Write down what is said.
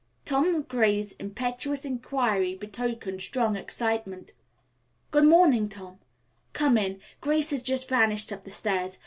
Tom Gray's impetuous inquiry betokened strong excitement. "Good morning, Tom. Come in. Grace has just vanished up the stairs.